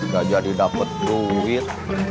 gak jadi dapet duit